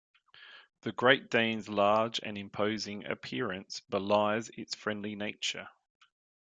The Great Dane's large and imposing appearance belies its friendly nature.